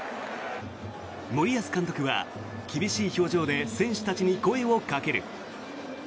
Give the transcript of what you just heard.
森保監督は、厳しい表情で選手たちに声をかける。